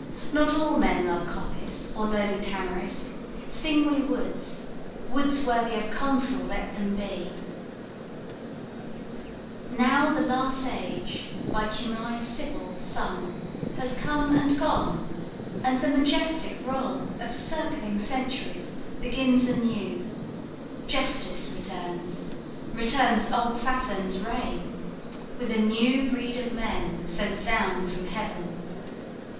Not all men love Coppice or lowly tamarisk: sing we woods, Woods worthy of a Consul let them be. Now the last age by Cumae's Sibyl sung Has come and gone, and the majestic roll Of circling centuries begins anew: Justice returns, returns old Saturn's reign, With a new breed of men sent down from heaven.